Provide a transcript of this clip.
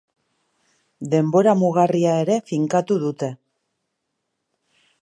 Denbora mugarria ere finkatu dute.